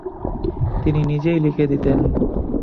তিনি নিজেই লিখে দিতেন।